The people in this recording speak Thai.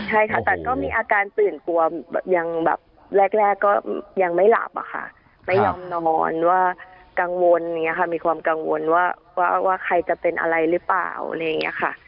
ใช่ค่ะแต่ก็มีอาการตื่นกลัวแบบยังแบบแรกก็ยังไม่หลับอะค่ะไม่ยอมนอนว่ากังวลอย่างนี้ค่ะมีความกังวลว่าใครจะเป็นอะไรหรือเปล่าอะไรอย่างนี้ค่ะ